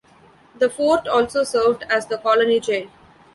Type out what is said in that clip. The fort also served as the colony jail.